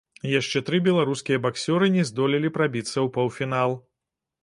Яшчэ тры беларускія баксёры не здолелі прабіцца ў паўфінал.